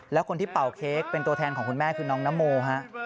แล้วคนที่เป่าเค้กเป็นตัวแทนของคุณแม่คือน้องนโมฮะ